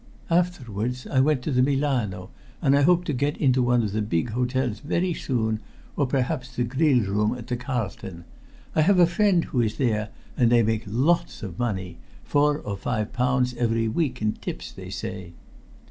Afterwards I went to the Milano, and I hope to get into one of the big hotels very soon or perhaps the grill room at the Carlton. I have a friend who is there, and they make lots of money four or five pounds every week in tips, they say."